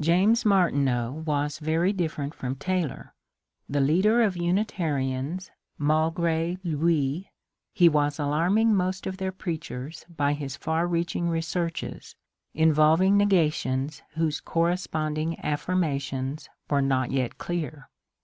James Martineau was very different from Taylor. The leader of Unitarians malgre luiy he was alarming most of their preachers by his far reaching researches, involving ne gations whose corresponding affirmations were not yet clear.